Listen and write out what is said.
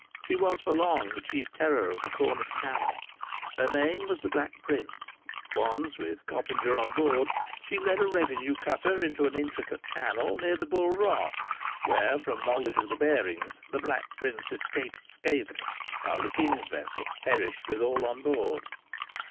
She was for long the chief terror of the Cornish Channel. Her name was The Black Prince. Once, with Coppinger on board, she led a revenue cutter into an intricate channel near the Bull Rock, where, from knowledge of the bearings, The Black Prince escaped scathless, while the king's vessel perished with all on board.